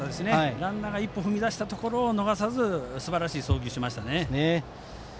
ランナーが１歩踏み出したところ逃さずすばらしい送球をしました。